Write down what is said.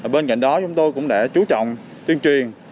bên cạnh đó chúng tôi cũng đã chú trọng tuyên truyền